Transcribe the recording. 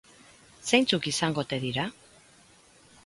Zeintzuk izango ote dira?